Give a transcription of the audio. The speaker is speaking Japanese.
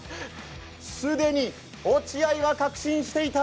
既に落合は確信していた。